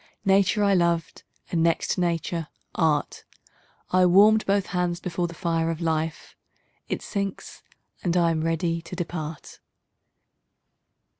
Nature I loved and, next to Nature, Art: I warm'd both hands before the fire of life; It sinks, and I am ready to depart.